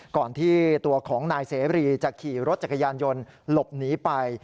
ก่อนที่ตัวของนายเสรีจะขี่รถจักรยานยนต์หลบหนีไป